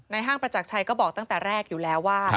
ห้างประจักรชัยก็บอกตั้งแต่แรกอยู่แล้วว่า